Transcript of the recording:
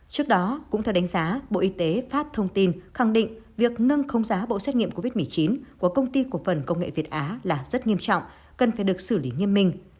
trước đó cũng theo đánh giá bộ y tế phát thông tin khẳng định việc nâng không giá bộ xét nghiệm covid một mươi chín của công ty cổ phần công nghệ việt á là rất nghiêm trọng cần phải được xử lý nghiêm minh